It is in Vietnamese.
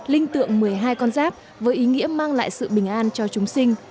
linh tượng một mươi hai con giáp với ý nghĩa mang lại sự bình an cho chúng sinh